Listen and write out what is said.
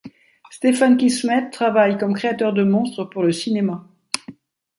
Stéphane Kismet travaille comme créateur de monstres pour le cinéma.